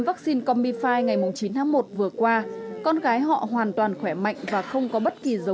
vaccine comifi ngày chín tháng một vừa qua con gái họ hoàn toàn khỏe mạnh và không có bất kỳ dấu